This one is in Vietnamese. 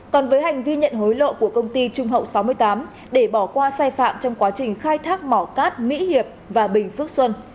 còn với hành vi nhận hối lộ của công ty trung hậu sáu mươi tám để bỏ qua sai phạm trong quá trình khai thác mỏ cát mỹ hiệp và bình phước xuân